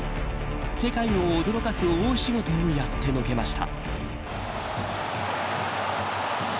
世界を驚かす大仕事をやってのけました。